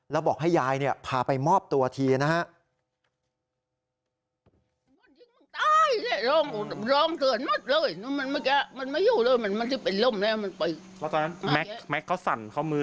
แล้วบอกให้ยายพาไปมอบตัวทีนะฮะ